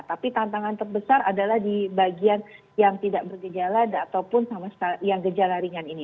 tapi tantangan terbesar adalah di bagian yang tidak bergejala ataupun sama yang gejala ringan ini